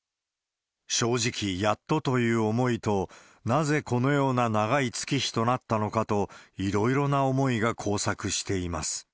正直、やっとという思いと、なぜこのような長い月日となったのかと、いろいろな思いが交錯しています。